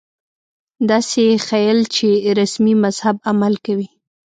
داسې ښييل چې رسمي مذهب عمل کوي